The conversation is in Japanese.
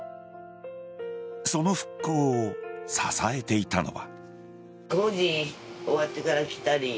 その復興を支えていたのは。